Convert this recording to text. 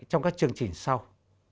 trong các chương trình sau